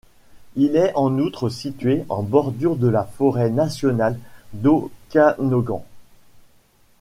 Il est en outre situé en bordure de la forêt nationale d'Okanogan.